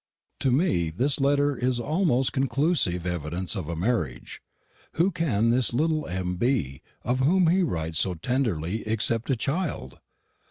To me this letter is almost conclusive evidence of a marriage. Who can this little M. be, of whom he writes so tenderly, except a child?